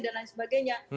dan lain sebagainya